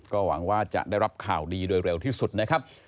ก็หวังว่าจะได้รับข่าวดีโดยเร็วที่สุดนะครับ